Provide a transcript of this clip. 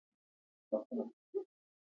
هلته درغلی وم .